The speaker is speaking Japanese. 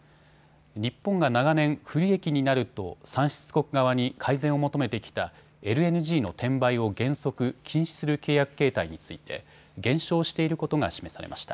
日本が長年不利益になると産出国側に改善を求めてきたＬＮＧの転売を原則、禁止する契約形態について減少していることが示されました。